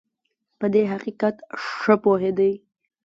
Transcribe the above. په دې حقیقت ښه پوهېدی.